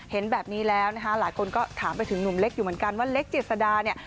เห็นแบบนี้แล้วนะคะหลายคนก็ถามไปถึงหนุ่มเล็กอยู่เหมือนกันว่าเล็กเจษดาเนี่ย